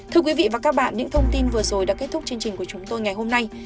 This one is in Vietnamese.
thưa quý vị và các bạn những thông tin vừa rồi đã kết thúc chương trình của chúng tôi ngày hôm nay